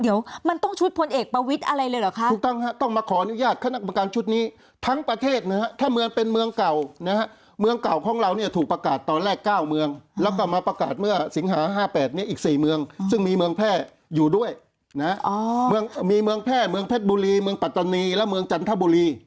อยู่ด้วยนะมีเมืองแพร่เมืองเพชรบุรีเมืองปัตตานีและเมืองจันทบุรี